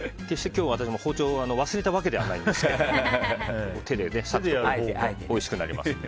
私も包丁を忘れたわけじゃないんですけど手で裂くとおいしくなりますので。